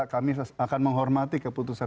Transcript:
kami akan menghormati keputusan